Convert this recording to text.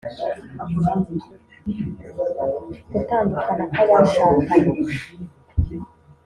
gutandukana kw’abashakanye